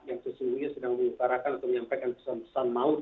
yang sesungguhnya sedang mengutarakan untuk menyampaikan pesan pesan maut